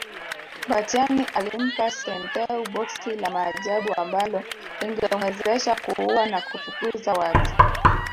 Mbatiany alimpa Santeu boksi la Maajabu ambalo lingemwezesha kuua na kufukuza watu